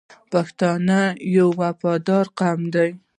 پښتون یو وفادار قوم دی.